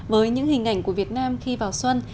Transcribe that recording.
với những hình ảnh của việt nam khi vào xuân